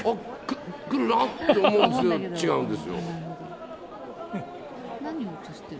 来るなって思うんですけど、違うんですよ。